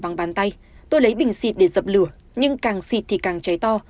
bằng bàn tay tôi lấy bình xịt để dập lửa nhưng càng xịt thì càng cháy to